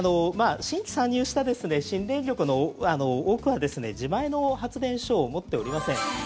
新規参入した新電力の多くは自前の発電所を持っておりません。